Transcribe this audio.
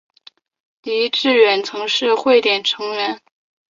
狄志远曾是汇点成员。